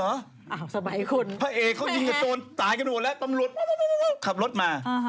อ้าวสมัยคุณใช่ไหมคะตำรวจขับรถมา